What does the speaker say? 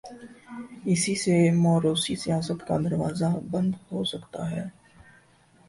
اسی سے موروثی سیاست کا دروازہ بھی بند ہو سکتا ہے۔